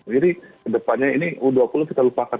jadi ke depannya ini u dua puluh kita lupakan